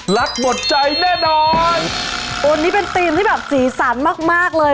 หมดใจแน่นอนวันนี้เป็นธีมที่แบบสีสันมากมากเลย